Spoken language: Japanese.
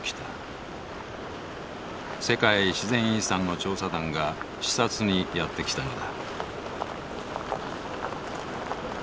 世界自然遺産の調査団が視察にやって来たのだ。